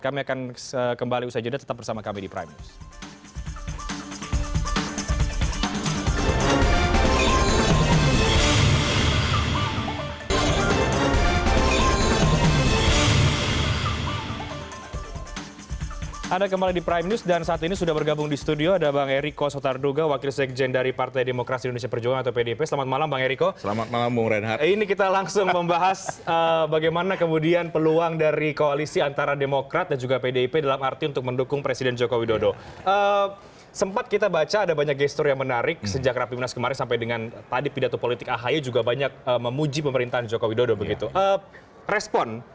kami akan kembali usai jeda tetap bersama kami di prime news